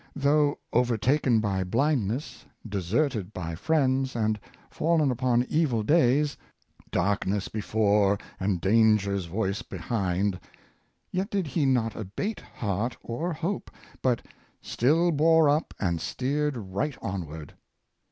Though overtaken by blindness, deserted by friends, and fallen upon evil days —" dark ness before, and danger's voice behind "— yet did he not abate heart or hope, but "still bore up, and steered right onward."